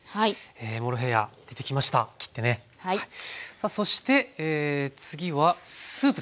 さあそして次はスープですか。